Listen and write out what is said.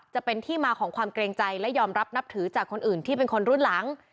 จะเป็นที่มาของความเกรงใจและยอมรับนับถือจากคนอื่นที่เป็นคนรุ่นหลัง